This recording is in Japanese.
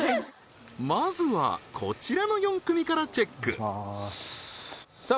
まずはこちらの４組からチェックさあ